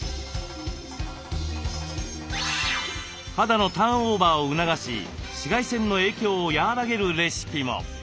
肌のターンオーバーを促し紫外線の影響を和らげるレシピも。